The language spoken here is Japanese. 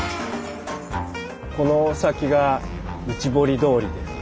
この先が内堀通りです。